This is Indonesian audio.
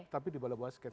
tapi di bola basket